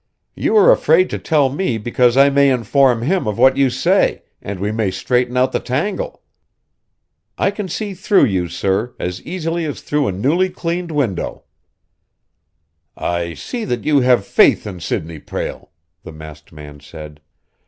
You are afraid to tell me because I may inform him of what you say, and we may straighten out the tangle? I can see through you, sir, as easily as through a newly cleaned window." "I see that you have faith in Sidney Prale," the masked man said.